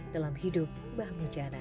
dalam hidup mbah mujana